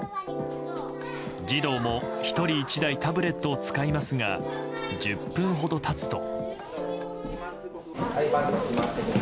児童も１人１台タブレットを使いますが１０分ほど経つと。